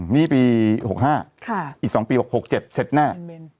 นี่ปี๖๕อีก๒ปี๖๖๗เสร็จแน่